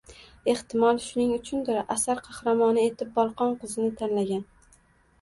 Ehtimol, shuning uchundir asar qahramoni etib bolqon qizini tanlagan